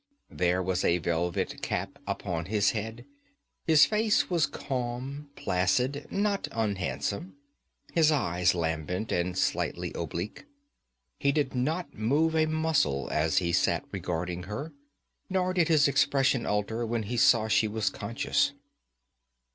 There was a velvet cap upon his head. His face was calm, placid, not unhandsome, his eyes lambent and slightly oblique. He did not move a muscle as he sat regarding her, nor did his expression alter when he saw she was conscious.